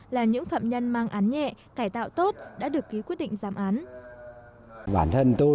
là những phạm nhân mang án nhẹ cải tạo tốt đã được ký quyết định giam án